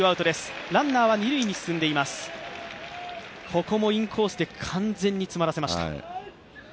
ここもインコースで完全に詰まらせました。